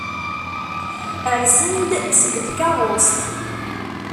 Rsen-d seg tkeṛṛust.